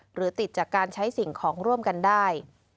หรือติดจากการใช้สิ่งของร่วมกันได้